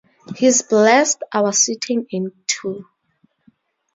He's blessed our sitting in, too.